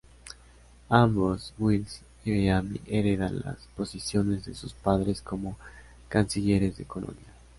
Ambos, Wells y Bellamy, heredan las posiciones de sus padres como Cancilleres de Colonia.